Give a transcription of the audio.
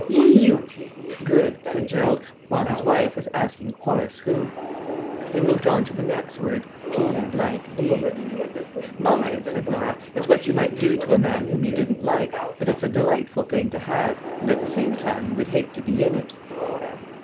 "'Eheu' good," said Gerald, while his wife was asking "Horace who?" We moved on to the next word, P D. "Mine," said Norah, "is what you might do to a man whom you didn't like, but it's a delightful thing to have and at the same time you would hate to be in it."